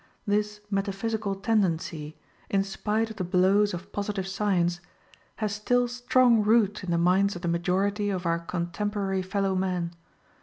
This metaphysical tendency, in spite of the blows of positive science, has still strong root in the minds of the majority of our contemporary fellow men.